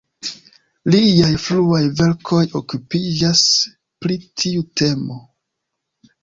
Liaj fruaj verkoj okupiĝas pri tiu temo.